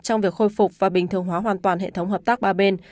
trong việc khôi phục và bình thường hóa hoàn toàn hệ thống hợp tác ba bên